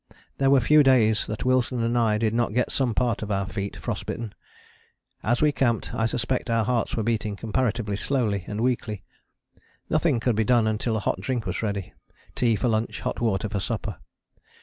There were few days that Wilson and I did not get some part of our feet frost bitten. As we camped, I suspect our hearts were beating comparatively slowly and weakly. Nothing could be done until a hot drink was ready tea for lunch, hot water for supper.